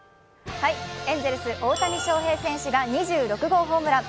エンゼルス、大谷翔平選手が２６号ホームラン。